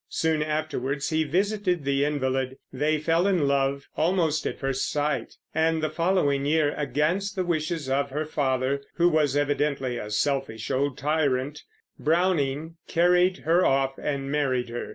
Soon afterwards he visited the invalid; they fell in love almost at first sight, and the following year, against the wishes of her father, who was evidently a selfish old tyrant, Browning carried her off and married her.